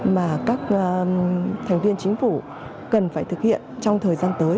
mà các thành viên chính phủ cần phải thực hiện trong thời gian tới